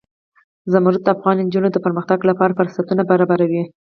زمرد د افغان نجونو د پرمختګ لپاره فرصتونه برابروي.